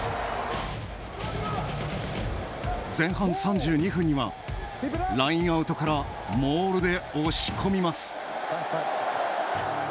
前半３２分にはラインアウトからモールで押し込みます。